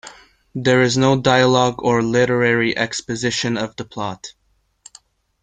There is no dialogue or literary exposition of the plot.